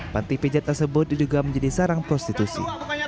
panti pijat tersebut diduga menjadi sarang prostitusi